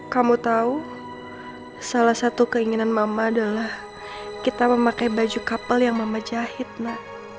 kamu tahu salah satu keinginan mama adalah kita memakai baju kapel yang mama jahit nda